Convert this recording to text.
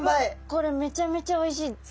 これめちゃめちゃおいしい。